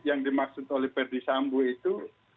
yang dimaksud oleh ferdisambu itu